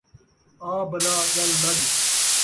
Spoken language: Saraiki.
آ بلا ، ڳل لڳ